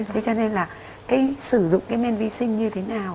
thế cho nên là cái sử dụng cái men vi sinh như thế nào